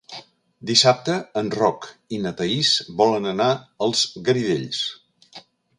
Dissabte en Roc i na Thaís volen anar als Garidells.